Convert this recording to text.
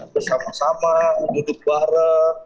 bersama sama duduk bareng